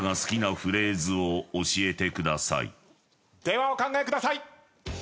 ではお考えください！